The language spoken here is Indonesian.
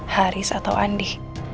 haris atau andi